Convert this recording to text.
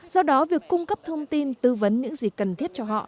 do đó việc cung cấp thông tin tư vấn những gì cần thiết cho họ